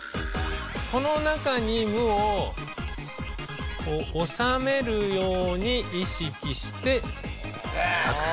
この中に「む」を収めるように意識して書く。